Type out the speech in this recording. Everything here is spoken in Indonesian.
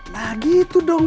nah gitu dong bu